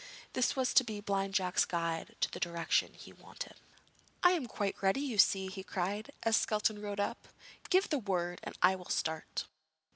This was to be Blind Jack's guide to the direction he wanted. 'I am quite ready, you see,' he cried, as Skelton rode up. 'Give the word and I will start.'